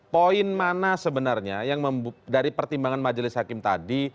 poin mana sebenarnya yang dari pertimbangan majelis hakim tadi